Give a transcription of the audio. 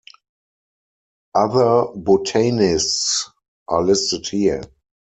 Other botanists are listed here.